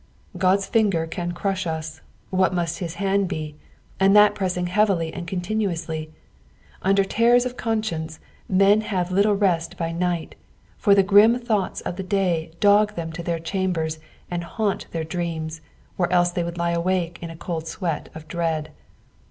Qod's finger can crush ua — wbat must his band be, and that pressing hcaviljr and continuouslj ! Under terrors of conscience, men have little rest b; night, for the grim thoughts of the daj dog them to their chambers and haunt their dreams, or else thej lie awake in a cold sweat uf dread.